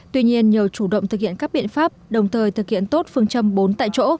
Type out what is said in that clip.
tuy nhiên nhờ chủ động thực hiện các biện pháp đồng thời thực hiện tốt phương châm bốn tại chỗ